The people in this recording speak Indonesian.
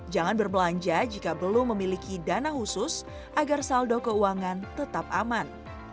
jangan berbelanja jika belum memiliki dana khusus agar saldo keuangan tetap aman